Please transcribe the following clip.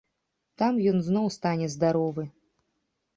Там ён зноў стане здаровы!